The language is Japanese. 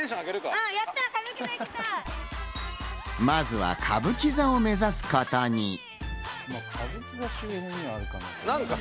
まずは歌舞伎座を目指すことに。